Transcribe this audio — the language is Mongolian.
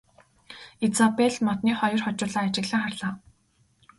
Изабель модны хоёр хожуулаа ажиглан харлаа.